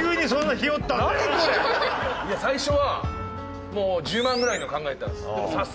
いや最初はもう１０万ぐらいのを考えてたんです。